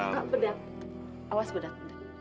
pada awas bedak